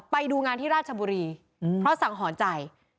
ไปดูงานที่ราชบุรีเพราะสังหรณ์ใจ